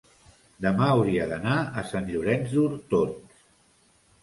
demà hauria d'anar a Sant Llorenç d'Hortons.